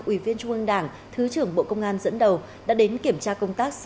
ủy viên trung ương đảng thứ trưởng bộ công an dẫn đầu đã đến kiểm tra công tác